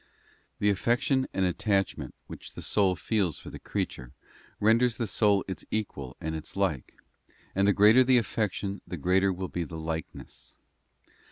The affection and attachment which the soul feels for the creature renders the soul its equal and its like, and the greater the affection the greater will be the likeness.